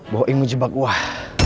bawaimu jebak wuah